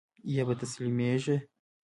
يا به تسليمېږي.